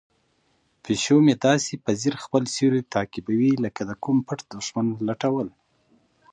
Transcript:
پیشو مې داسې په ځیر خپل سیوری تعقیبوي لکه د کوم پټ دښمن لټول.